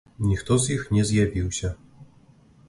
Ніхто з іх не з'явіўся.